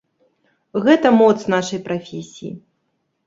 Гэта моц нашай прафесіі.